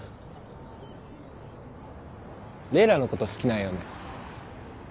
れいらのこと好きなんよね。